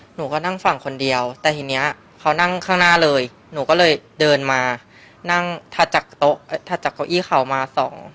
หนูก็นั่งฝั่งคนเดียวแต่ทีนี้เขานั่งข้างหน้าเลยหนูก็เลยเดินมานั่งถัดจากโต๊ะถัดจากเก้าอี้เขามาสอง